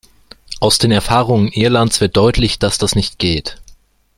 Aus den Erfahrungen Irlands wird deutlich, dass das nicht geht.